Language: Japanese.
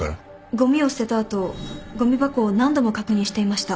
ごみを捨てた後ごみ箱を何度も確認していました。